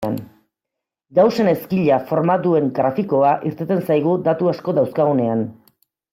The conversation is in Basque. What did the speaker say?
Gaussen ezkila forma duen grafikoa irteten zaigu datu asko dauzkagunean.